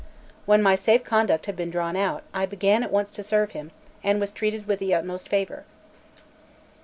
When my safe conduct had been drawn out, I began at once to serve him, and was treated with the utmost favour.